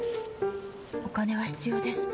お金は必要です。